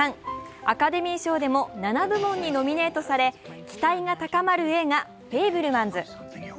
アカデミー所でも７部門にノミネートされ期待が高まる映画「フェイブルマンズ」。